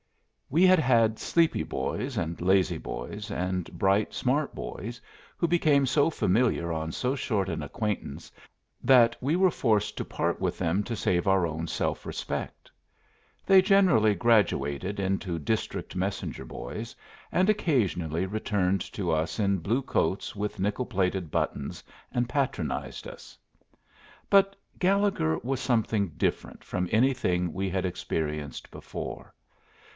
We had had sleepy boys, and lazy boys, and bright, "smart" boys, who became so familiar on so short an acquaintance that we were forced to part with them to save our own self respect. They generally graduated into district messenger boys, and occasionally returned to us in blue coats with nickel plated buttons, and patronized us. But Gallegher was something different from anything we had experienced before.